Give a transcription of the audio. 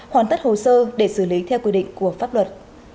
hoàn tất hồ sơ để xử lý theo quy định của pháp luật